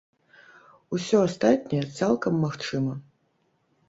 Усё астатняе цалкам магчыма.